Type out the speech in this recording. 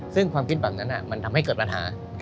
ซึ่งความคิดแบบนั้นมันทำให้เกิดปัญหา